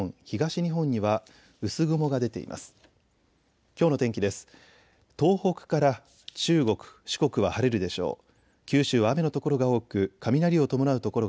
東北から中国、四国は晴れるでしょう。